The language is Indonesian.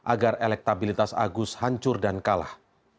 agar elektabilitas agus hancur dan kalah